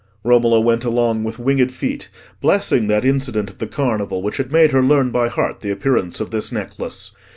Romola went along with winged feet, blessing that incident of the Carnival which had made her learn by heart the appearance of this necklace.